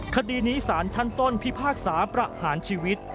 คดีนี้สารชั้นต้นพิพากษาประหารชีวิต